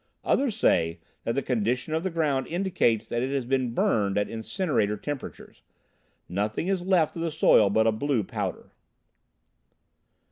Others say that the condition of the ground indicates that it has been burned at incinerator temperatures. Nothing is left of the soil but a blue powder.